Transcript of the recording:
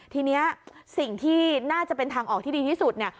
ทีนี้สิ่งที่น่าจะเป็นทางออกที่ดีที่สุดเนี่ย